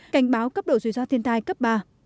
cảnh báo cấp độ dùi do thiên tai cấp ba